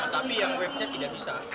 tapi yang webnya tidak bisa